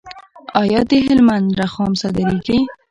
آیا د هلمند رخام صادریږي؟